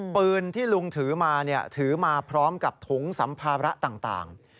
ปืนที่ลุงถือมาถือมาพร้อมกับถุงสัมภาระต่าง